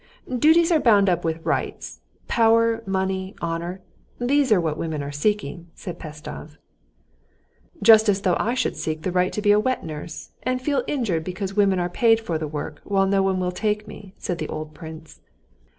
"Duties are bound up with rights—power, money, honor; those are what women are seeking," said Pestsov. "Just as though I should seek the right to be a wet nurse and feel injured because women are paid for the work, while no one will take me," said the old prince.